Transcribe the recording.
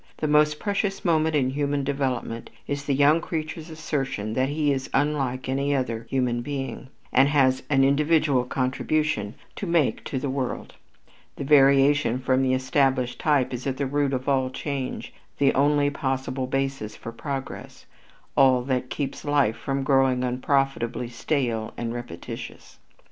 The most precious moment in human development is the young creature's assertion that he is unlike any other human being, and has an individual contribution to make to the world. The variation from the established type is at the root of all change, the only possible basis for progress, all that keeps life from growing unprofitably stale and repetitious.